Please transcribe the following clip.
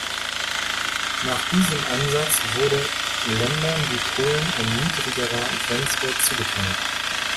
Nach diesem Ansatz wurde Ländern wie Polen ein niedrigerer Grenzwert zugeteilt.